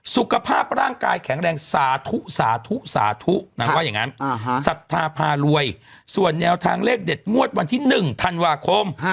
สุขภาพร่างกายแข็งแรงสาธุสาธุสาธุนางว่าอย่างนั้นศรัทธาพารวยส่วนแนวทางเลขเด็ดงวดวันที่๑ธันวาคม